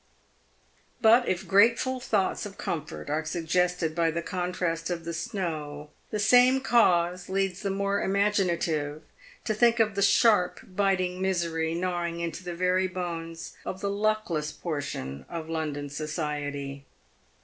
But if grateful thoughts of comfort are suggested by the contrast of the snow, the same cause leads the more imaginative to think of the sharp, biting misery gnawing into the very bones of the luckless portion of London society.